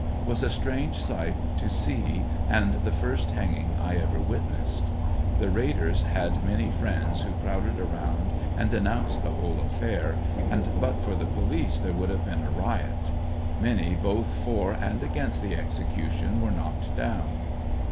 Was a strange sight to see and the first hanging I ever witnessed. The raiders had many friends who crowded around and denounced the whole affair and but for the police there would have been a riot ; many both for and against the execution were knocked down.